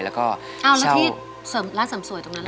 แล้วก็อ้าวแล้วที่ร้านเสริมสวยตรงนั้นล่ะ